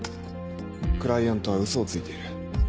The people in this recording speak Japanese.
クライアントはウソをついている。